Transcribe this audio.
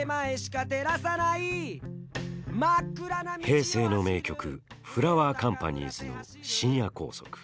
平成の名曲フラワーカンパニーズの「深夜高速」。